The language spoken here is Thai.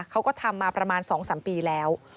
เขาก็ทำมาประมาณ๒๓ปีแล้ว